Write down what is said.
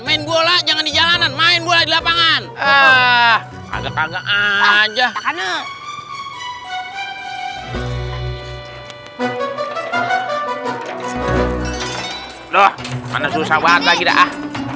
main bola jangan di jalanan main bola di lapangan ah ada ada aja loh mana susah banget lagi dah